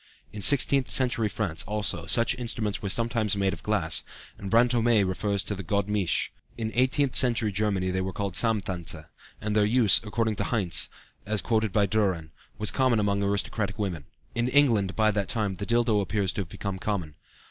In sixteenth century France, also, such instruments were sometimes made of glass, and Brantôme refers to the godemiche; in eighteenth century Germany they were called Samthanse, and their use, according to Heinse, as quoted by Dühren, was common among aristocratic women. In England by that time the dildo appears to have become common.